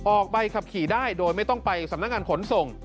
ใบขับขี่ได้โดยไม่ต้องไปสำนักงานขนส่ง